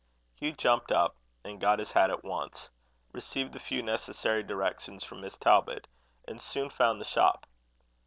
Hugh jumped up, and got his hat at once; received the few necessary directions from Miss Talbot, and soon found the shop.